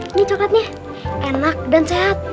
ini coklatnya enak dan sehat